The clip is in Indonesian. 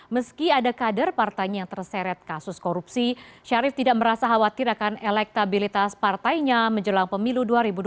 meski ada kader partainya yang terseret kasus korupsi syarif tidak merasa khawatir akan elektabilitas partainya menjelang pemilu dua ribu dua puluh